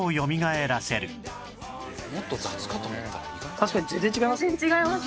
確かに全然違いますね。